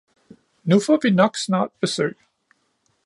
Nu får vi nok snart besøg!